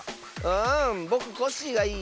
ん「ぼくコッシー」がいいよ。